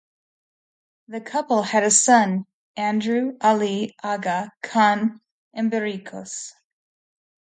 The couple had a son, Andrew Ali Aga Khan Embiricos.